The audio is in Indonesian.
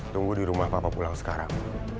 tunggu di rumah bapak pulang sekarang